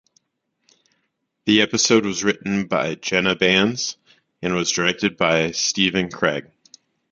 The episode was written by Jenna Bans and was directed by Stephen Cragg.